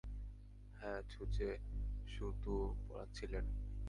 হাঁ, ছুঁচে সুতো পরাচ্ছিলেন।